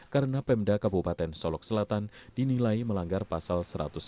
karena pemda kabupaten solok selatan dinilai melanggar pasal satu ratus lima puluh